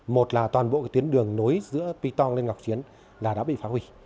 một là toàn bộ tiến đường nối giữa pì tong lên ngọc chiến đã bị phá hủy